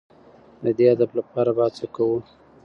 د دې هدف لپاره به هڅه کوو.